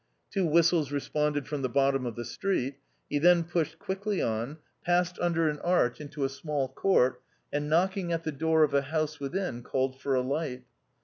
Two whistles responded from the bottom of the street. He then pushed quickly on, passed under an arch into a small court, and knocking at the door of a house within, called for a light.